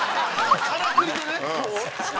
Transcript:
からくりでね。